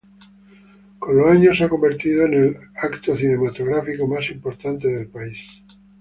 Con los años se ha convertido en el evento cinematográfico más importante del país.